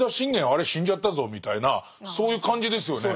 あれ死んじゃったぞみたいなそういう感じですよね。